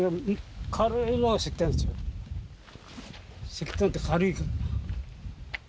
石炭って軽いから。